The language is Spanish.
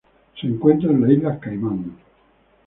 Se encuentran en las Islas Caimán.